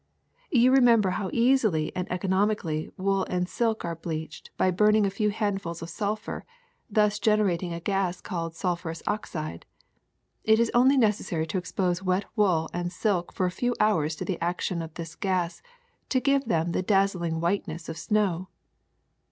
You remember how easily and economically wool and silk are bleached by burning a few handfuls of sulphur, thus generating a gas called sulphurous oxide. It is only necessary to ex pose wet wool and silk for a few hours to the action of this gas to give them the dazzling whiteness of snow.''